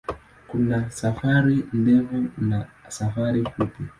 Kuna safari ndefu na safari fupi.